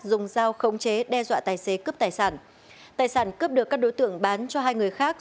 dùng dao khống chế đe dọa tài xế cướp tài sản tài sản cướp được các đối tượng bán cho hai người khác